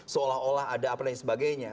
seolah olah ada apa dan sebagainya